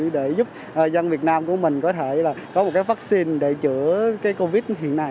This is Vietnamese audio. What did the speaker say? để giúp dân việt nam của mình có thể là có một cái vaccine để chữa covid